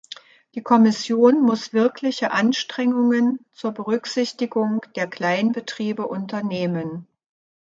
Die Kommission muss wirkliche Anstrengungen zur Berücksichtigung der Kleinbetriebe unternehmen.